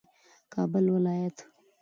کابل ولایت